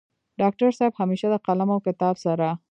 ډاکټر صيب همېشه د قلم او کتاب سره